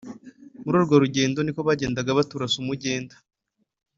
« Muri urwo rugendo niko bagendaga baturasa umugenda